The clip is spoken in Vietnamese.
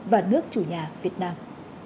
và nước chủ nhà việt nam